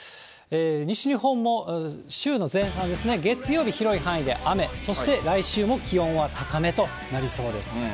西日本も週の前半ですね、月曜日、広い範囲で雨、そして来週も気温は高めとなりそうです。